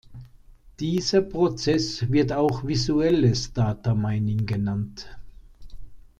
Dieser Prozess wird auch "visuelles Data Mining" genannt.